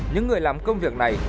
những người làm công việc này